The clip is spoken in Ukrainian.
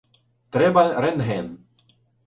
Треба рентген.